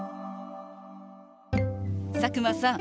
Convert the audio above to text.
佐久間さん